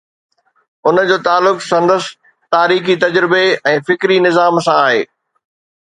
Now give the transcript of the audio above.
ان جو تعلق سندس تاريخي تجربي ۽ فڪري نظام سان آهي.